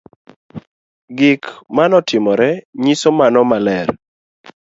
Gik ma notimore nyiso mano maler